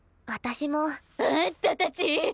私も。あんたたち！